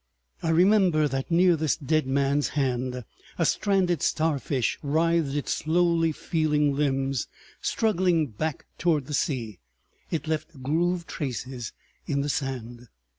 (I remember that near this dead man's hand a stranded star fish writhed its slowly feeling limbs, struggling back toward the sea. It left grooved traces in the sand.)